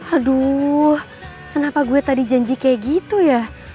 aduh kenapa gue tadi janji kayak gitu ya